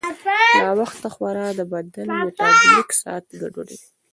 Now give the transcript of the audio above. ناوخته خورا د بدن میټابولیک ساعت ګډوډوي.